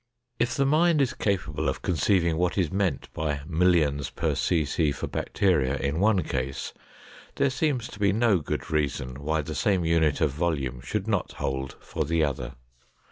If the mind is capable of conceiving what is meant by millions per cc for bacteria in one case, there seems to be no good reason why the same unit of volume should not hold for the other.